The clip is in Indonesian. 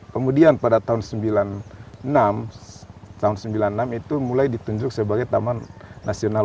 kemudian pada tahun seribu sembilan ratus sembilan puluh enam itu mulai ditunjuk sebagai taman nasional